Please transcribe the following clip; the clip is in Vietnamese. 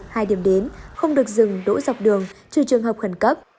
hai điểm đến không được dừng đỗ dọc đường trừ trường hợp khẩn cấp